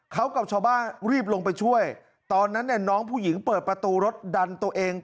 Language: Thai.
เขากับชาวบ้านรีบลงไปช่วยตอนนั้นเนี่ยน้องผู้หญิงเปิดประตูรถดันตัวเอง